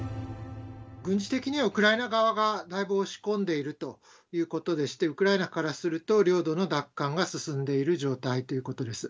軍事的にはウクライナ側がだいぶ押し込んでいるということでして、ウクライナからすると、領土の奪還が進んでいる状態ということです。